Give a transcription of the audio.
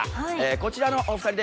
こちらのお二人です。